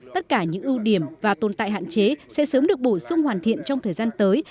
tất cả những ưu điểm và tồn tại hạn chế sẽ sớm được bổ sung hoàn thiện trong thời gian tới